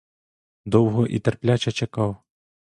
Довго і терпляче чекав.